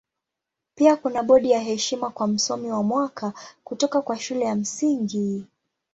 Pia kuna bodi ya heshima kwa Msomi wa Mwaka kutoka kwa Shule ya Msingi.